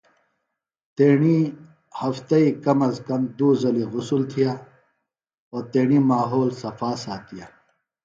تیݨی ہفتی کم ازکم دُو زلیۡ غسُل تِھیہ او تیݨی ماحول صفاساتِیہ۔